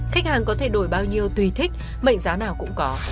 khách hàng có thể đổi bao nhiêu tùy thích mệnh giá nào cũng có